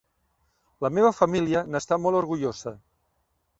La meva família n'està molt orgullosa.